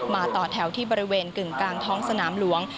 ต่อแถวที่บริเวณกึ่งกลางท้องสนามหลวง